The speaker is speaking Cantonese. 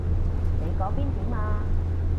你嗰邊點啊？